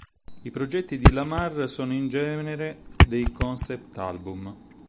I progetti di Lamar sono in genere dei concept album.